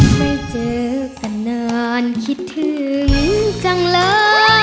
ไม่เจอกันนานคิดถึงจังเลย